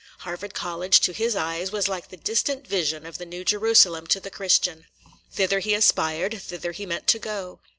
Harvard College, to his eyes, was like the distant vision of the New Jerusalem to the Christian. Thither he aspired, thither he meant to go.